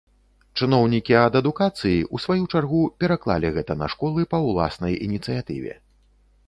Чыноўнікі ад адукацыі, у сваю чаргу, пераклалі гэта на школы па уласнай ініцыятыве.